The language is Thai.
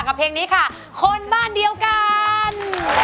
เพลงนี้ค่ะคนบ้านเดียวกัน